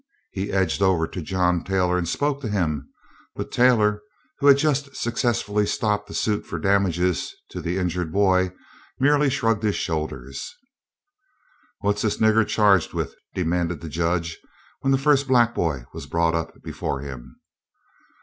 He edged over to John Taylor and spoke to him; but Taylor, who had just successfully stopped a suit for damages to the injured boy, merely shrugged his shoulders. "What's this nigger charged with?" demanded the Judge when the first black boy was brought up before him.